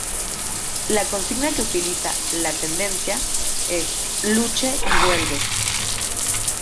La consigna que utiliza "la Tendencia" es "Luche y vuelve".